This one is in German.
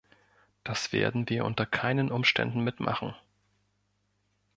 Das werden wir unter keinen Umständen mitmachen.